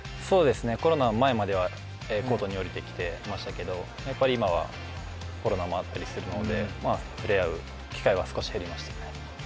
コロナ前まではコートに下りてきていましたけど今はコロナもあったりするので触れ合う機会は少し減りました。